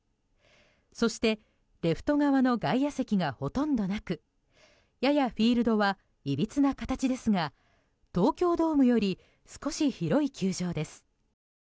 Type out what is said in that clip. そして、レフト側の外野席がほとんどなくややフィールドはいびつな形ですが東京ドームより少し広い球場です。